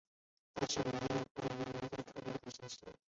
但可提供用于文本处理的信息。